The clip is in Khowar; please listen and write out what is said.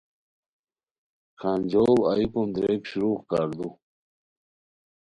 کھانجوڑ ایوکون دریک شروع کاردو